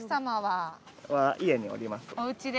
おうちで。